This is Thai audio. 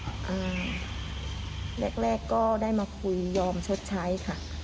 แรกแรกก็ได้มาคุยยอมชดใช้ค่ะ